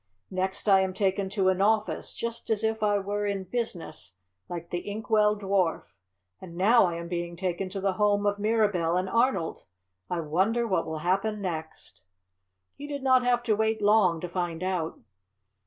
Next I am taken to an office, just as if I were in business like the Ink Well Dwarf, and now I am being taken to the home of Mirabell and Arnold. I wonder what will happen next." He did not have to wait long to find out.